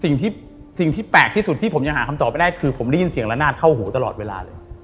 สิ่งที่สิ่งที่แปลกที่สุดที่ผมยังหาคำตอบไม่ได้คือผมได้ยินเสียงละนาดเข้าหูตลอดเวลาเลย